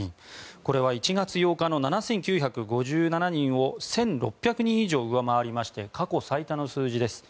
これは１月８日の感染者数を１６００人以上上回りまして過去最多の数字です。